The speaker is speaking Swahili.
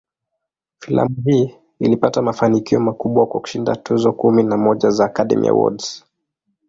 Filamu hii ilipata mafanikio makubwa, kwa kushinda tuzo kumi na moja za "Academy Awards".